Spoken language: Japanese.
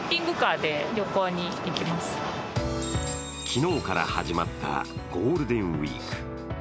昨日から始まったゴールデンウイーク。